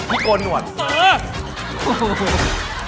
ที่โกนหนวดเซิร์ฟ